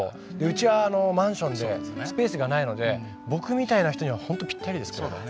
うちはマンションでスペースがないので僕みたいな人にはほんとぴったりですね。